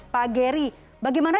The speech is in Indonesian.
pak geri bagaimana